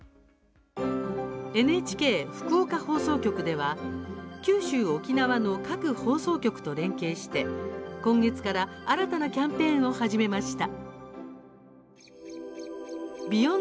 ＮＨＫ福岡放送局では九州・沖縄の各放送局と連携して今月から新たなキャンペーンを始めました。